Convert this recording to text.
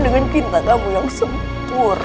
dengan pinta kamu yang sempurna